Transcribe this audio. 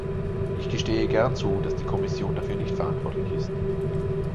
Ich gestehe gern zu, dass die Kommission dafür nicht verantwortlich ist.